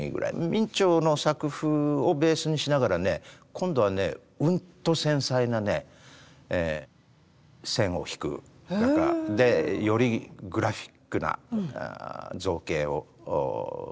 明兆の作風をベースにしながらね今度はねうんと繊細な線を引く画家でよりグラフィックな造形を生み出した人なんですよね。